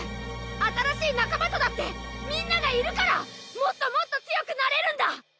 新しい仲間とだってみんながいるからもっともっと強くなれるんだ！